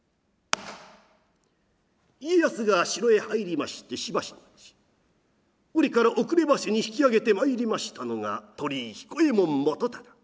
家康が城へ入りましてしばし後折から遅ればせに引き揚げてまいりましたのが鳥居彦右衛門元忠。